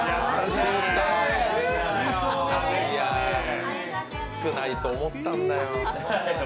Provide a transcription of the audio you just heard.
いや少ないと思ったんだよ。